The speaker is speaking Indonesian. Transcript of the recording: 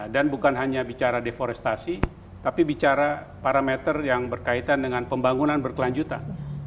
dan bukan hanya bicara deforestasi tapi bicara parameter yang berkaitan dengan pembangunan berkelanjutan